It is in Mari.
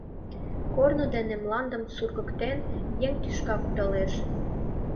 Корно дене, мландым сургыктен, еҥ тӱшка кудалеш.